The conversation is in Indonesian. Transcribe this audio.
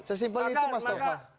sesimpel itu mas taufan